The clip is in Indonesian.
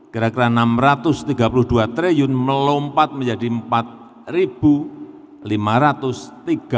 kira kira rp enam ratus tiga puluh dua triliun melompat menjadi rp empat lima ratus tiga puluh satu triliun nanti di dua ribu dua puluh